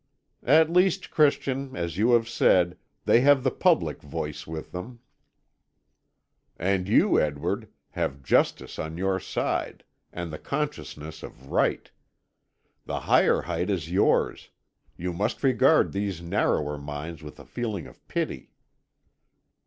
"At least, Christian, as you have said, they have the public voice with them." "And you, Edward, have justice on your side, and the consciousness of right. The higher height is yours; you must regard these narrower minds with a feeling of pity."